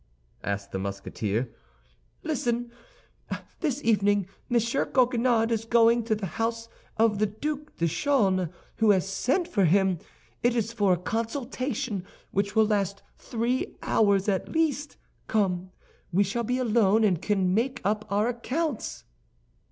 asked the Musketeer. "Listen. This evening M. Coquenard is going to the house of the Duc de Chaulnes, who has sent for him. It is for a consultation, which will last three hours at least. Come! We shall be alone, and can make up our accounts."